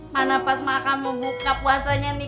mana pas makan mau buka puasanya nih